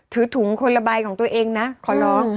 ถือถุงคนละใบของตัวเองนะขอร้อง